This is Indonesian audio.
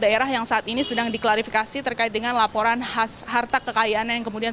daerah yang saat ini sedang diklarifikasi terkait dengan laporan khas harta kekayaan yang kemudian